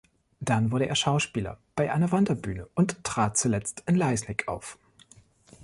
Dann wurde er Schauspieler bei einer Wanderbühne und trat zuletzt in Leisnig auf.